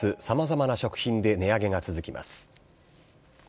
さまざまな食品で値上げが続きます。